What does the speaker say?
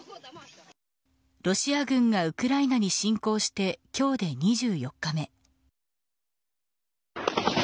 ロシア軍がウクライナに侵攻して今日で２４日目。